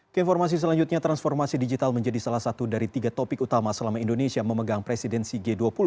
keinformasi selanjutnya transformasi digital menjadi salah satu dari tiga topik utama selama indonesia memegang presidensi g dua puluh